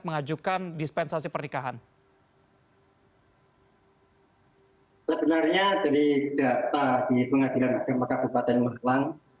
sebenarnya dari data di pengadilan agama kabupaten merlang